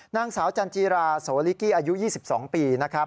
นางสาวจันจิราโสลิกี้อายุ๒๒ปีนะครับ